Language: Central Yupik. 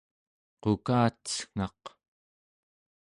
qukacengaq